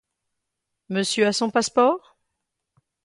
Monsieur a son passeport?